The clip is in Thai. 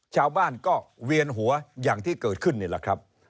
ชาวบ้านก็เวียนหัวอย่างที่เกิดขึ้นนี่แหละครับ